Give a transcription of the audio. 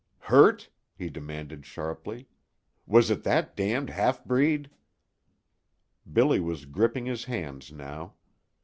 "Hurt?" he demanded, sharply. "Was it that damned half breed?" Billy was gripping his hands now.